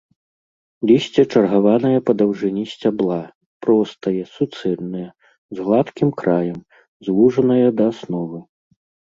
Лісце чаргаванае па даўжыні сцябла, простае, суцэльнае, з гладкім краем, звужанае да асновы.